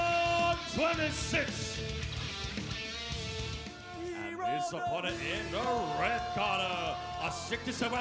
และนี่คือสุดท้ายอินเตอร์แรฟคอร์ตเตอร์